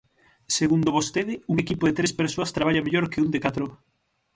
Segundo vostede, un equipo de tres persoas traballa mellor que un de catro.